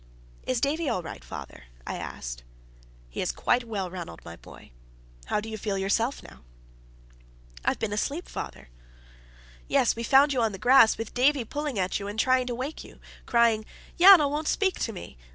"Is Davie all right, father?" I asked. "He is quite well, Ranald, my boy. How do you feel yourself now?" "I've been asleep, father?" "Yes; we found you on the grass, with Davie pulling at you and trying to wake you, crying, 'Yanal won't peak to me.